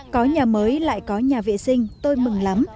có nhà mới lại có nhà vệ sinh tôi mừng lắm